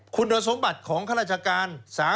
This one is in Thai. คุณสมบัติของข้าราชการ